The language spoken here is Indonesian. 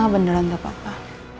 beneran gak apa apa